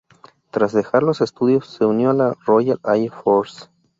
Tras dejar los estudios, se unió a la Royal Air Force.